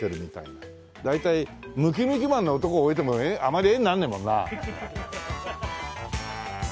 大体ムキムキマンの男置いてもあまり画にならねえもんな。